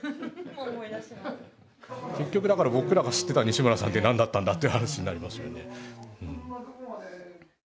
結局だから僕らが知ってた西村さんって何だったんだって話になりますよね。